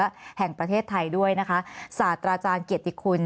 และแห่งประเทศไทยด้วยนะคะศาสตราจารย์เกียรติคุณ